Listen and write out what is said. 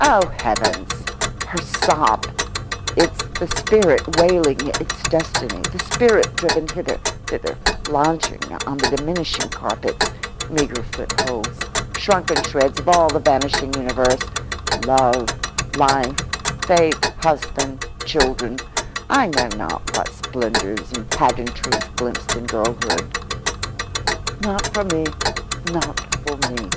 Oh, heavens, her sob! It's the spirit wailing its destiny, the spirit driven hither, thither, lodging on the diminishing carpets—meagre footholds—shrunken shreds of all the vanishing universe—love, life, faith, husband, children, I know not what splendours and pageantries glimpsed in girlhood. "Not for me—not for me."